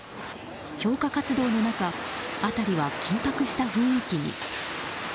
消火活動の中辺りは緊迫した雰囲気に。